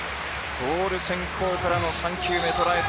ボール先行からの３球目捉えました